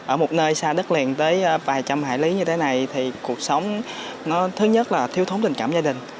ở một nơi xa đất liền tới vài trăm hải lý như thế này thì cuộc sống thứ nhất là thiếu thống tình cảm gia đình